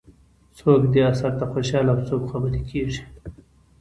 څوک دې اثر ته خوشاله او څوک خوابدي کېږي.